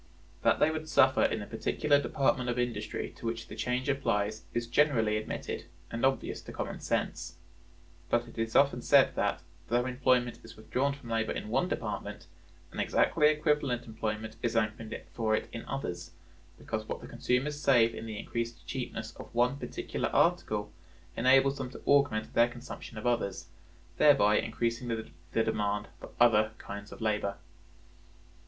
(111) That they would suffer in the particular department of industry to which the change applies is generally admitted, and obvious to common sense; but it is often said that, though employment is withdrawn from labor in one department, an exactly equivalent employment is opened for it in others, because what the consumers save in the increased cheapness of one particular article enables them to augment their consumption of others, thereby increasing the demand for other kinds of labor.